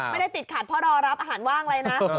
ไม่ได้ติดขัดเพราะรอรับอาหารว่างอะไรนะ